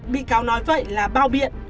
bị cáo nói vậy là bao biện